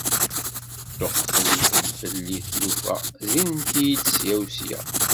Ṭṭuqtent-d fell-i tlufa, zzint-iyi-d ssya u ssya.